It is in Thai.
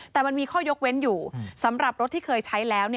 แต่มันมีข้อยกเว้นอยู่สำหรับรถที่เคยใช้แล้ว